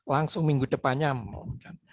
langsung minggu depannya melonjak